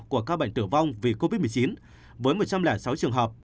của ca bệnh tử vong vì covid một mươi chín với một trăm linh sáu trường hợp